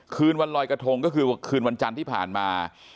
คืนวันลอยกระทงก็คือคืนวันจันทร์ที่ผ่านมา